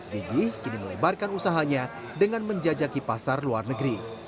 gigi kini melebarkan usahanya dengan menjajaki pasar luar negeri